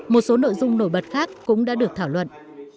một số nội dung nổi bật khác cũng đã được thảo luận